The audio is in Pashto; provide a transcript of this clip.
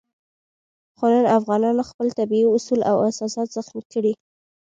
خو نن افغانانو خپل طبیعي اصول او اساسات زخمي کړي.